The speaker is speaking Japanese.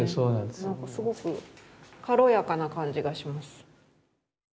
すごく軽やかな感じがします。